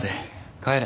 帰れ！